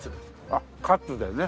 あっ「カツ」でね。